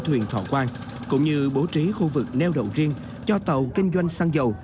âu thuyền tọa quang cũng như bố trí khu vực neo đầu riêng cho tàu kinh doanh xăng dầu